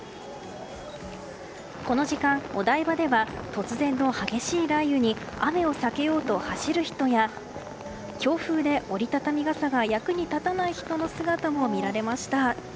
この時間、お台場では突然の激しい雷雨に雨を避けようと走る人や強風で折り畳み傘が役にたたない人の姿も見られました。